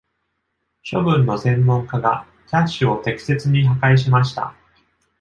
処分の専門家がキャッシュを適切に破壊しました。